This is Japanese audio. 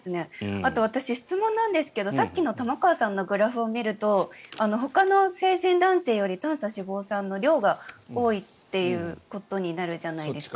あと、私、質問なんですがさっきの玉川さんのグラフを見るとほかの成人男性より短鎖脂肪酸の量が多いということになるじゃないですか。